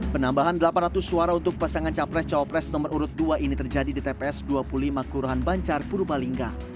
penambahan delapan ratus suara untuk pasangan capres cawapres nomor urut dua ini terjadi di tps dua puluh lima kelurahan bancar purbalingga